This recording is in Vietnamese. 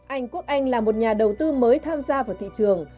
anh quốc anh là một nhà đầu tư mới tham gia vào thị trường